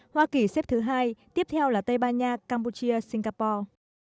hoa kỳ xếp thứ hai tiếp theo là tây ban nha campuchia singapore